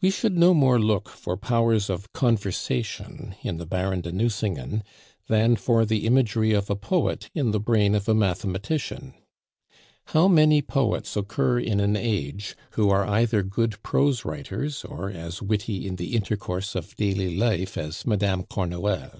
We should no more look for powers of conversation in the Baron de Nucingen than for the imagery of a poet in the brain of a mathematician. How many poets occur in an age, who are either good prose writers, or as witty in the intercourse of daily life as Madame Cornuel?